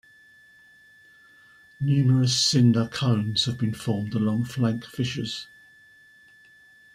Numerous cinder cones have been formed along flank fissures.